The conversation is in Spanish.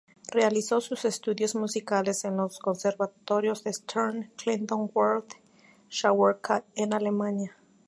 Realizó sus estudios musicales en los Conservatorios de Stern y Klindworth-Scharwenka, en Alemania.